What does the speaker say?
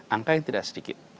angka yang tidak sedikit